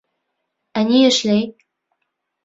Ә ни эшләй?